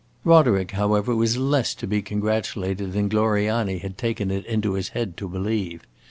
Roderick, however, was less to be congratulated than Gloriani had taken it into his head to believe.